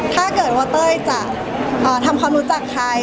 ถ้าเกิดว่าเต้ยจะทำความรู้จักใคร